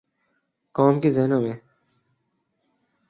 قوم کے ذہنوں میں۔